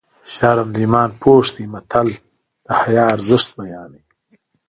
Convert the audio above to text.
شرم د ایمان پوښ دی متل د حیا ارزښت بیانوي